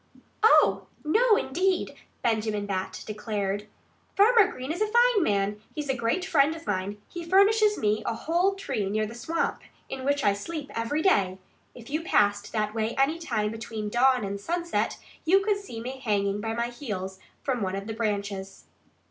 "Oh! no, indeed!" Benjamin Bat declared. "Farmer Green is a fine man. He's a great friend of mine. He furnishes me a whole tree near the swamp, in which I sleep every day. If you passed that way any time between dawn and sunset you could see me hanging by my heels from one of the branches."